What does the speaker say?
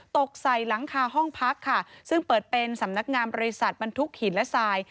ตกใส่หลังคาห้องพักค่ะซึ่งเปิดเป็นสำนักงามบริษัทบรรทุกหินและทราย